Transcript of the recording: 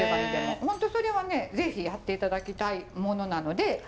本当それはね是非やっていただきたいものなので。